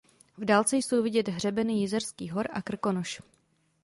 V dálce jsou vidět hřebeny Jizerských hor a Krkonoš.